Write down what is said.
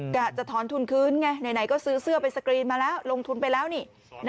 กะจะถอนทุนคืนไงไหนก็ซื้อเสื้อไปสกรีนมาแล้วลงทุนไปแล้วนี่